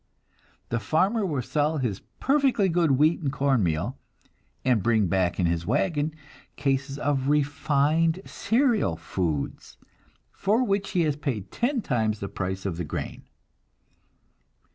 The farmer will sell his perfectly good wheat and corn meal, and bring back in his wagon cases of "refined" cereal foods, for which he has paid ten times the price of the grain!